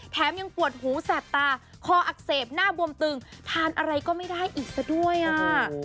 ยังปวดหูแสบตาคออักเสบหน้าบวมตึงทานอะไรก็ไม่ได้อีกซะด้วยอ่ะ